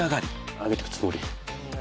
上げてくつもり。